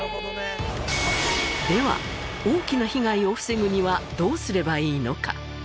では大きな被害を防ぐにはどうすればいいのか？